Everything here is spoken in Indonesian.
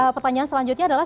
pertanyaan selanjutnya adalah